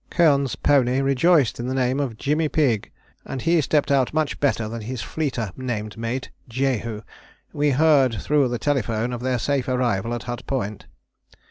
Keohane's pony rejoiced in the name of Jimmy Pigg, and he stepped out much better than his fleeter named mate Jehu. We heard through the telephone of their safe arrival at Hut Point.